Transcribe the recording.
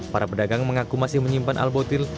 para pedagang mengaku masih menyimpan al botil